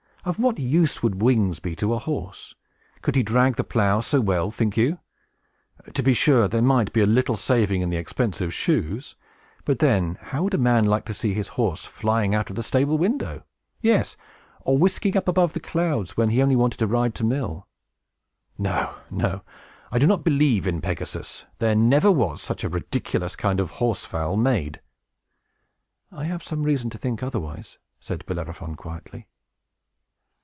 Of what use would wings be to a horse? Could he drag the plow so well, think you? To be sure, there might be a little saving in the expense of shoes; but then, how would a man like to see his horse flying out of the stable window? yes, or whisking up him above the clouds, when he only wanted to ride to mill? No, no! I don't believe in Pegasus. There never was such a ridiculous kind of a horse fowl made!" "I have some reason to think otherwise," said Bellerophon, quietly.